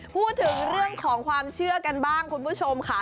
พูดถึงเรื่องของความเชื่อกันบ้างคุณผู้ชมค่ะ